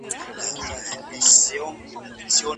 دولتونه د ډیپلوماټیکو خبرو له لارې ستونزې حل کوي.